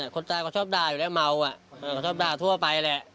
คนตายเขาชอบด่าอยู่แล้วเมาอ่ะเขาชอบด่าทั่วไปแหละ